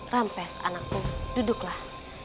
rampes anakku duduklah